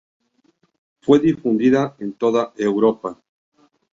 Fue difundida en toda Europa.